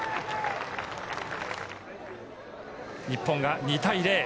日本が２対０。